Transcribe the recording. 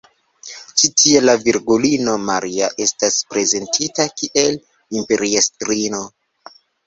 Ĉi tie la Virgulino Maria estas prezentita kiel imperiestrino.